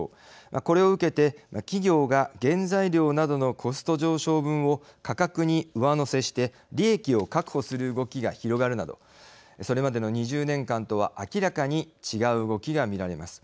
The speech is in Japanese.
これを受けて、企業が原材料などのコスト上昇分を価格に上乗せして利益を確保する動きが広がるなどそれまでの２０年間とは明らかに違う動きが見られます。